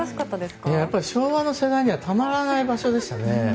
やっぱり昭和の世代にはたまらない場所でしたね。